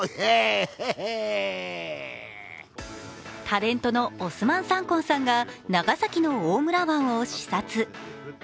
タレントのオスマン・サンコンさんが長崎の大村湾を視察。